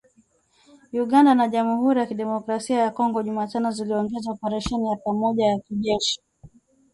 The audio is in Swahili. Uganda na Jamhuri ya Kidemokrasi ya Kongo Jumatano ziliongeza operesheni ya pamoja ya kijeshi